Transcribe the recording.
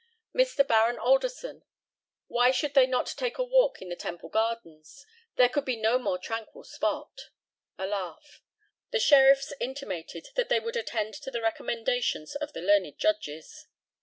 Mr. Baron ALDERSON: Why should they not take a walk in the Temple gardens? There could be no more tranquil spot. (A laugh.) The Sheriffs intimated that they would attend to the recommendations of the learned judges.